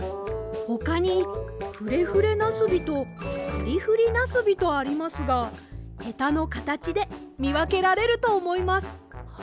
ほかに「フレフレなすび」と「フリフリなすび」とありますがヘタのかたちでみわけられるとおもいます。